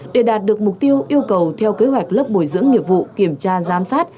để đạt được mục tiêu yêu cầu theo kế hoạch lớp bồi dưỡng nghiệp vụ kiểm tra giám sát